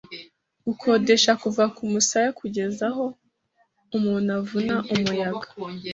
Gukodesha kuva kumusaya kugeza aho umuntu avuna umuyaga